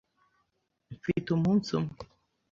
Mfite umunsi umwe.